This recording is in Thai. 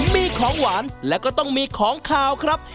มีของหวานและก็ต้องมีของขาวครับ